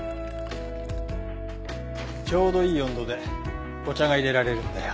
ちょうどいい温度でお茶が淹れられるんだよ。